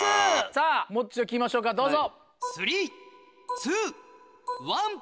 さぁもう一度聞きましょうかどうぞ。